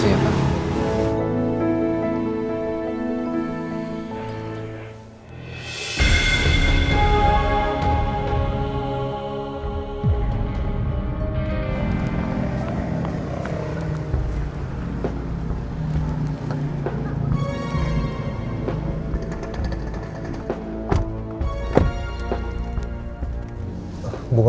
terima kasih juga